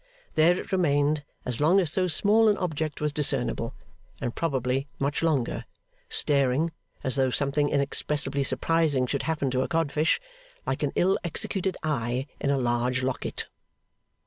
There it remained as long as so small an object was discernible, and probably much longer, staring (as though something inexpressibly surprising should happen to a codfish) like an ill executed eye in a large locket.